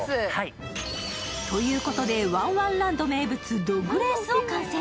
ということで、ワンワンランド名物、ドッグレースを幹線。